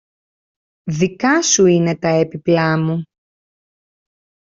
Δικά σου είναι τα έπιπλα μου